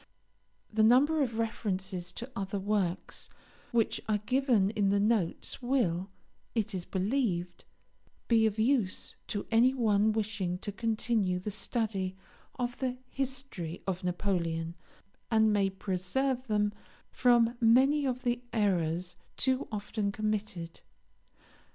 The number of references to other works which are given in the notes will, it is believed, be of use to any one wishing to continue the study of the history of Napoleon, and may preserve them from many of the errors too often committed.